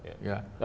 serbu aja gak ada